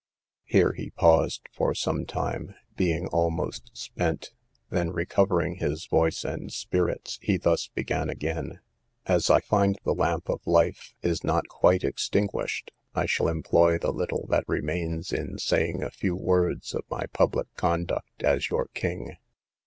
Here he paused for some time, being almost spent: then, recovering his voice and spirits, he thus began again: "As I find the lamp of life is not quite extinguished, I shall employ the little that remains in saying a few words of my public conduct as your king.